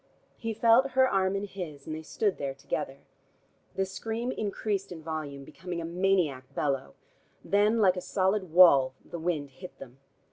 He felt her arm in his, and they stood there together. The scream increased in volume, becoming a maniac bellow. Then, like a solid wall, the wind hit them.